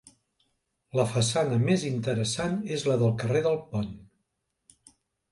La façana més interessant és la del carrer del Pont.